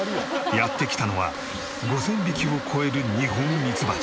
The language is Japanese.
やって来たのは５０００匹を超えるニホンミツバチ。